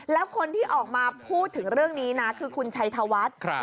แล้วคนที่ออกมาพูดถึงเรื่องนี้นะคือคุณชัยธวัฒน์